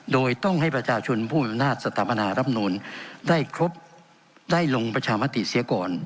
โดยต้องให้ประชาชนผู้มีอำนาจสถาปนารับนูลได้ครบได้ลงประชามติเสียก่อน